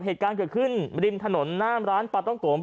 เหตุการณ์เกิดขึ้นริมถนนหน้ามร้านปลาต้องโกม